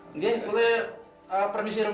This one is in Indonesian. oke kalau permisi romen